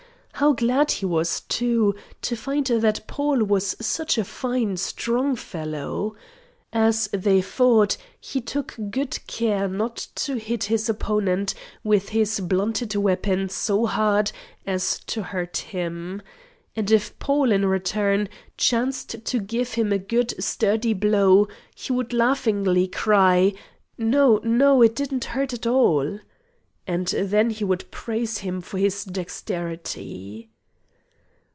How glad he was, too, to find that Paul was such a fine strong fellow. As they fought, he took good care not to hit his opponent with his blunted weapon so hard as to hurt him. And if Paul, in return, chanced to give him a good sturdy blow, he would laughingly cry, "No, no; it didn't hurt at all!" And then he would praise him for his dexterity.